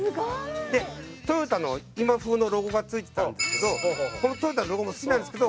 でトヨタの今風のロゴが付いてたんですけどこのトヨタのロゴも好きなんですけど